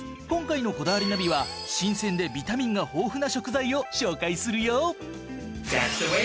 今回の『こだわりナビ』は新鮮でビタミンが豊富な食材を紹介するよ。